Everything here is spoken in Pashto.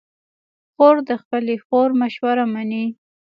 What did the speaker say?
خور د خپلې خور مشوره منې.